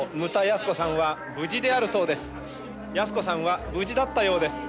泰子さんは無事だったようです。